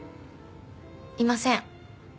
いません。